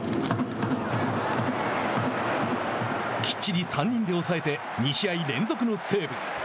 きっちり３人で抑えて２試合連続のセーブ。